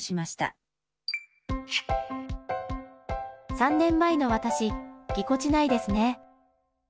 ３年前の私ぎこちないですね。